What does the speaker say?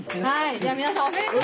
じゃあ皆さんおめでとう。